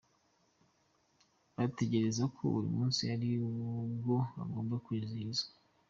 Batekerezagako uwo munsi ari bwo ugomba kwizihizwa.